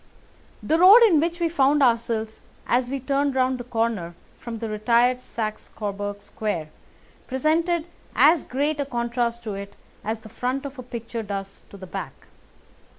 The road in which we found ourselves as we turned round the corner from the retired Saxe Coburg Square presented as great a contrast to it as the front of a picture does to the back.